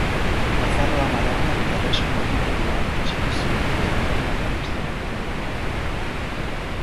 Nafarroa Garaiak erresuma titulua atxiki zuen Lehen Gerla Karlistaren amaiera arte.